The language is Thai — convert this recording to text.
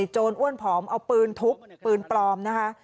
โรอ้วนผอมเอาปืนทุบปืนปลอมนะคะ